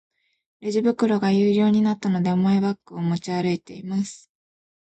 レジ袋が有料になったので、マイバッグを持ち歩いています。